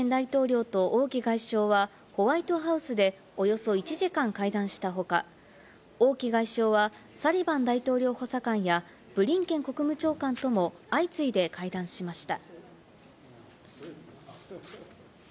バイデン大統領とオウ・キ外相はホワイトハウスで、およそ１時間会談した他、オウ・キ外相は、サリバン大統領補佐官やブリンケン国務長官とも相次いで会談しました。